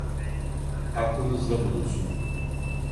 Aklınızda bulunsun.